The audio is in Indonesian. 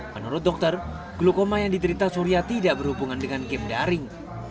menurut dokter glukoma yang diterita surya tidak berhubungan dengan game daring